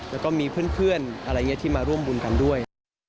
แล้วก็มีเพื่อนอะไรอย่างนี้ที่มาร่วมบุญกันด้วย